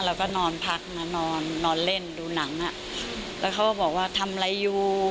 เราก็นอนพักนะนอนนอนเล่นดูหนังอ่ะแล้วเขาก็บอกว่าทำอะไรอยู่